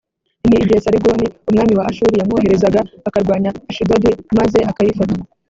ni igihe sarigoni umwami wa ashuri yamwoherezaga akarwanya ashidodi maze akayifata